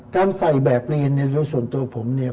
การใส่แบบเรียนเนี่ยโดยส่วนตัวผมเนี่ย